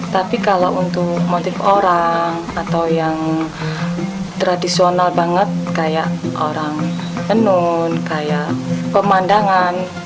tapi kalau untuk motif orang atau yang tradisional banget kayak orang tenun kayak pemandangan